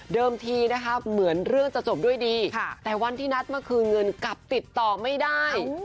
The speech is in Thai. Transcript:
ทีนะคะเหมือนเรื่องจะจบด้วยดีแต่วันที่นัดมาคืนเงินกลับติดต่อไม่ได้